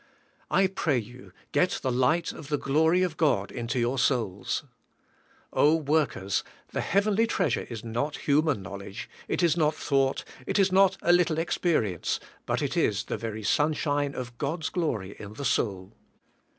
I pray you, get the light of the glory of God into your souls. Oh! workers, the heavenly treasure is not human knowledge, it is not thought, it is not a little experience, but it is the very sunshine of God's glory in the soul.